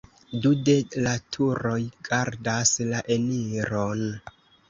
Du de la turoj gardas la eniron.